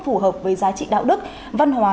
phù hợp với giá trị đạo đức văn hóa